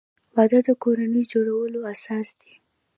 وادۀ د کورنۍ جوړولو اساس دی.